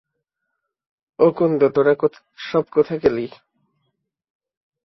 ও কুন্দ, তোরা সব গেলি কোথায় শুনি?